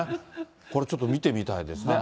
これちょっと見てみたいですね。